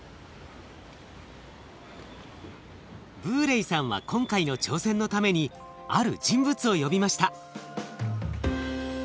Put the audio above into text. ブーレイさんは今回の挑戦のためにある人物を呼びました。